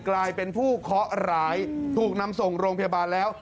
กลายเป็นผู้เคาะร้ายถูกนำส่งโรงพยาบาลแล้ว